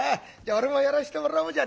俺もやらしてもらおうじゃねえか。